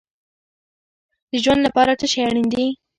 د ژوند لپاره څه شی اړین دی؟